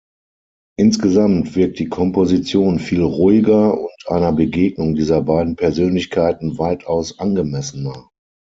Insgesamt wirkt die Komposition viel ruhiger und einer Begegnung dieser beiden Persönlichkeiten weitaus angemessener.